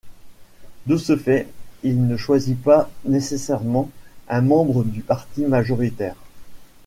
De ce fait, il ne choisit pas nécessairement un membre du parti majoritaire.